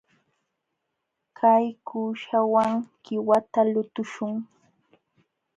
Kay kuuśhawan qiwata lutuśhun.